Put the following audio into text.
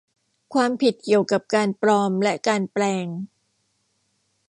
ความผิดเกี่ยวกับการปลอมและการแปลง